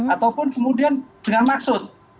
ataupun kemudian dengan maksud